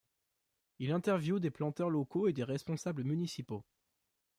Il interviewe des planteurs locaux et des responsables municipaux.